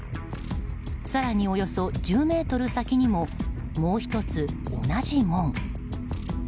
更におよそ１０ｍ先にももう１つ、同じ門。